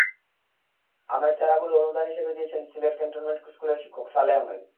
আমের চারাগুলো অনুদান হিসেবে দিয়েছেন সিলেট ক্যান্টনমেন্ট স্কুলের শিক্ষক সালেহ আহমদ।